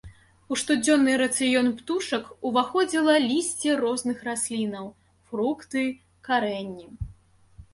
У штодзённы рацыён птушак уваходзіла лісце розных раслінаў, фрукты, карэнні.